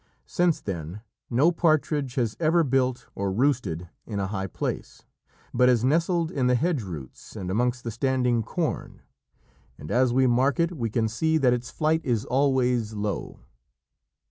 Since then, no partridge has ever built or roosted in a high place, but has nestled in the hedge roots and amongst the standing corn, and as we mark it we can see that its flight is always low.